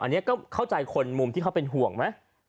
อันนี้ก็เข้าใจคนมุมที่เขาเป็นห่วงไหม